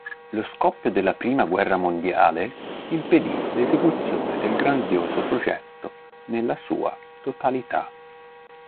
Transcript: Lo scoppio della prima guerra mondiale impedì l'esecuzione del grandioso progetto nella sua totalità.